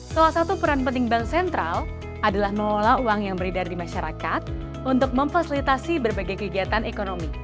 salah satu peran penting bank sentral adalah mengolah uang yang beredar di masyarakat untuk memfasilitasi berbagai kegiatan ekonomi